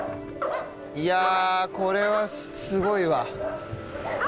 いやこれはすごいわ。